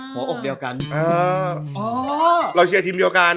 เพราะว่าหัวออกเดียวกัน